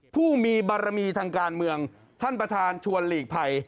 ผู้มีบารมีทางการเมืองท่านประธานชวนหลีกภัย